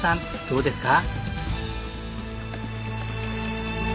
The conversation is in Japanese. どうですか？